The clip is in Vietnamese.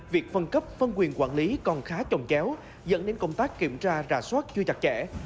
việc phân cấp phân quyền quản lý còn khá chồng chéo dẫn đến công tác kiểm tra rà soát chưa chặt chẽ